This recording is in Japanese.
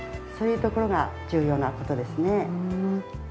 そういうところが重要な事ですね。